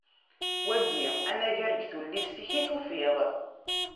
Wagi anagar deg Tullist-ik i t-ufiɣ.